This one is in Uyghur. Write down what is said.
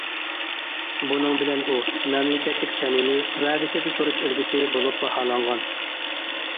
بۇنىڭ بىلەن ئۇ‹‹ مەملىكەتلىك سەمىمىي، ۋەدىسىدە تۇرۇش ئۈلگىسى›› بولۇپ باھالانغان.